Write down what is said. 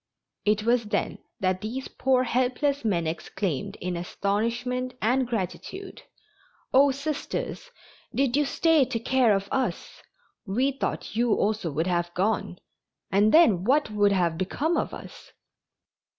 It was then that these poor, helpless men exclaimed in astonishment and gratitude: "Oh, Sisters, did you stay to care of us? We thought you also would have gone, and then what would have become of us?"